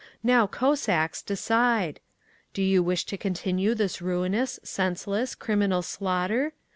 Now, Cossacks, decide: do you wish to continue this ruinous, senseless, criminal slaughter?